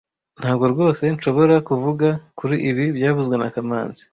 Ntabwo rwose nshobora kuvuga kuri ibi byavuzwe na kamanzi